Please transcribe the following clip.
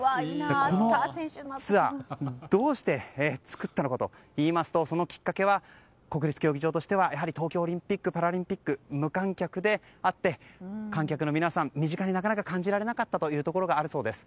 このツアーどうして作ったのかといいますとそのきっかけは国立競技場としては東京オリンピック・パラリンピックが無観客であって観客の皆さん、身近になかなか感じられなかったというところがあるようです。